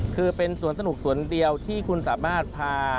คือเป็นสวนสนุกสวนเดียวที่คุณสามารถพา